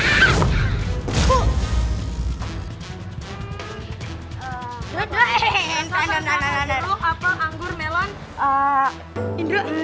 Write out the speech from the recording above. apa anggur melon